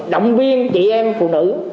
động viên chị em phụ nữ